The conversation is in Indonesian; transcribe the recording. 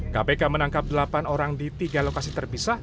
kpk menangkap delapan orang di tiga lokasi terpisah